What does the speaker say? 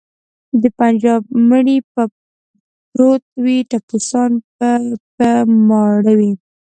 د بنجاب مړی به پروت وي ټپوسان به په ماړه وي.